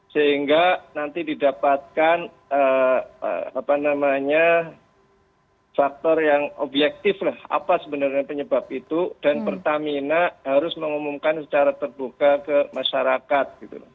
sehingga nanti didapatkan faktor yang objektif lah apa sebenarnya penyebab itu dan pertamina harus mengumumkan secara terbuka ke masyarakat